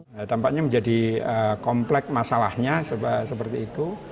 nah tampaknya menjadi komplek masalahnya seperti itu